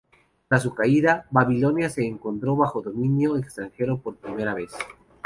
Tras su caída, Babilonia se encontró bajo dominio extranjero por primera vez.